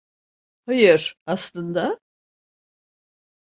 Hayır, aslında…